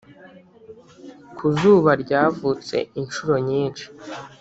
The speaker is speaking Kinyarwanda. ku zuba ryavutse inshuro nyinshi,